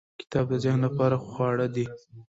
• کتاب د ذهن لپاره خواړه دی.